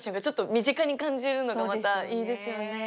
ちょっと身近に感じるのがまたいいですよね。